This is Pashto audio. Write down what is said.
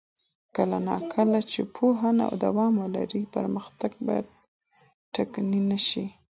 کله نا کله چې پوهنه دوام ولري، پرمختګ به ټکنی نه شي.